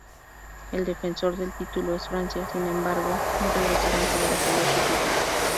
El defensor del título es Francia, sin embargo, no regresaron para defender su título.